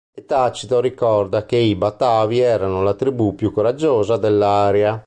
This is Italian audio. E Tacito ricorda che i batavi erano la tribù più coraggiosa dell'area.